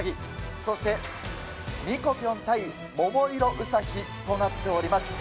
そして、ミコぴょん対桃色ウサヒとなっております。